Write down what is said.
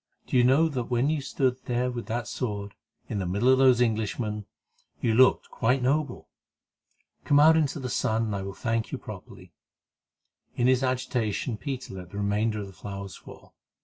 Do you know that when you stood there with that sword, in the middle of those Englishmen, you looked quite noble? Come out into the sunlight, and I will thank you properly." In his agitation Peter let the remainder of the flowers fall.